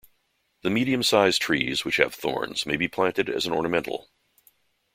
The medium sized trees which have thorns, may be planted as an ornamental.